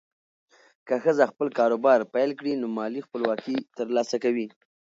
که ښځه خپل کاروبار پیل کړي، نو مالي خپلواکي ترلاسه کوي.